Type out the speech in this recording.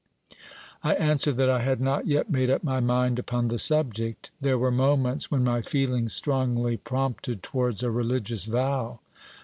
I answered that I had not yet made up my mind upon the subject : there were moments when my feelings strongly prompted towards a religious vow.